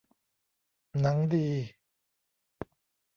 หนังดี